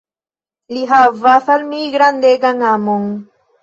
Li havas al mi grandegan amon.